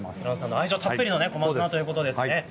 愛情たっぷりの小松菜ということですね。